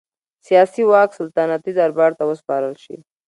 سیاسي واک سلطنتي دربار ته وسپارل شي.